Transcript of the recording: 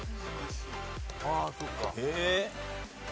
あそうか。